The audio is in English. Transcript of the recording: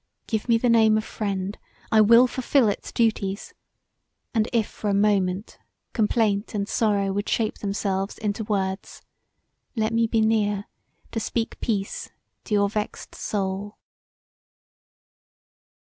Give me the name of friend; I will fulfill its duties; and if for a moment complaint and sorrow would shape themselves into words let me be near to speak peace to your vext soul."